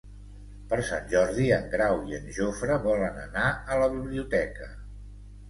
Per Sant Jordi en Grau i en Jofre volen anar a la biblioteca.